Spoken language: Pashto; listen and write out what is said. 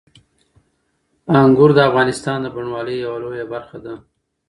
انګور د افغانستان د بڼوالۍ یوه لویه برخه ده.